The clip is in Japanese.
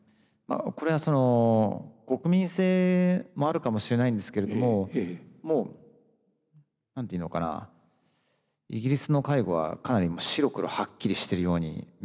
これは国民性もあるかもしれないんですけれどももう何て言うのかなイギリスの介護はかなり白黒はっきりしてるように見えたりして。